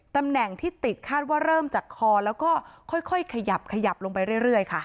ตำแหน่งที่ติดคาดว่าเริ่มจากคอแล้วก็ค่อยขยับขยับลงไปเรื่อยค่ะ